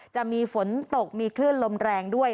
จะมีฝนตกมีคลื่นลมแรงด้วย